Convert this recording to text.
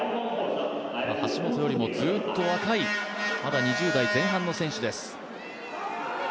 橋本よりもずーっと若いまだ２０代前半の選手です。